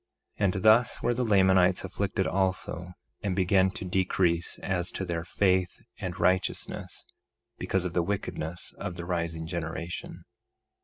1:30 And thus were the Lamanites afflicted also, and began to decrease as to their faith and righteousness, because of the wickedness of the rising generation.